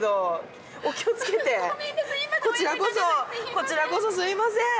こちらこそすみません。